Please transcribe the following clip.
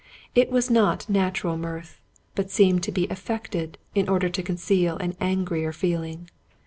It was not natural mirth, but seemed to be affected in order to conceal an angrier feel ing.